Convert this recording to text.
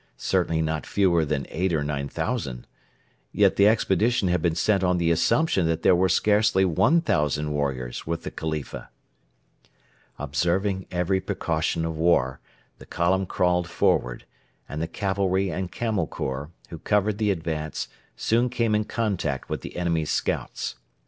Certainly not fewer than 8,000 or 9,000. Yet the expedition had been sent on the assumption that there were scarcely 1,000 warriors with the Khalifa! Observing every precaution of war, the column crawled forward, and the cavalry and Camel Corps, who covered the advance, soon came in contact with the enemy's scouts.